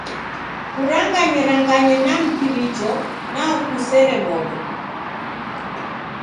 Kuranganyeranganye na mpiricho, nao kusere modo.